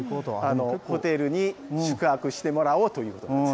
ホテルに宿泊してもらおうということです。